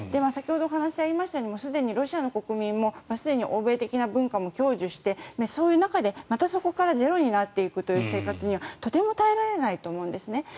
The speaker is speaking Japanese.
先ほどお話もありましたようにロシアの国民もすでに欧米的な文化も享受してそういう中で、またそこからゼロになっていく生活はとても耐えられないと思うんですね。